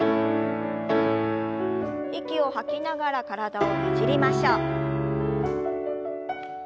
息を吐きながら体をねじりましょう。